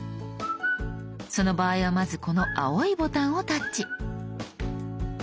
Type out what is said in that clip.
その場合はまずこの青いボタンをタッチ。